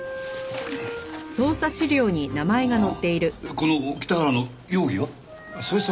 この北原の容疑は？